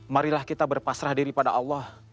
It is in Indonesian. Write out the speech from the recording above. marilah kita berpasrah diri pada allah